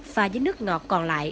pha với nước ngọt còn lại